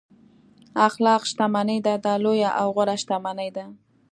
اخلاق شتمني ده دا لویه او غوره شتمني ده.